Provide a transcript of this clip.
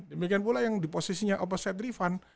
demikian pula yang di posisinya opposite rifan